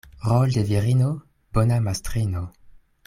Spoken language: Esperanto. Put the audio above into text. Rol' de virino — bona mastrino.